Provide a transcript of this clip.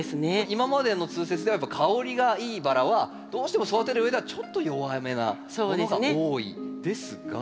今までの通説ではやっぱ香りがいいバラはどうしても育てるうえではちょっと弱めなものが多いですが。